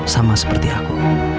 sama seperti aku